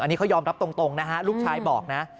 อันนี้เขายอมรับตรงนะฮะลูกชายบอกนะ